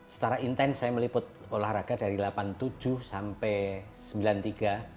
secara intens saya meliput olahraga dari delapan puluh tujuh sampai sembilan puluh tiga